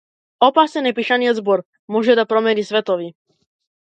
Опасен е пишаниот збор - може да промени светови.